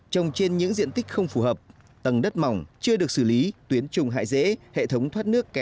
trồng trên những diện tích không phù hợp tầng đất mỏng chưa được xử lý tuyến trùng hại dễ hệ thống thoát nước kém